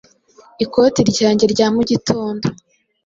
Ikoti ryanjye rya mugitondo